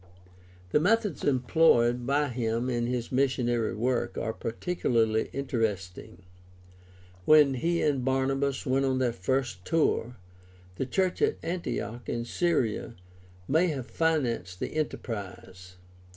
— The methods employed by him in his missionary work are particularly interesting. When he and Barnabas went on their first tour, the church at Antioch in Syria may have financed the enterprise (Acts 13 : 2 f